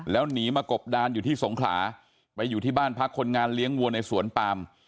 แล้วหนีมากบดานอยู่ที่สงขลาไปอยู่ที่บ้านพักคนงานเลี้ยงวัวในสวนปาม